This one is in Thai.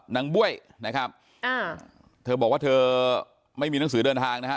บ้วยนะครับอ่าเธอบอกว่าเธอไม่มีหนังสือเดินทางนะฮะ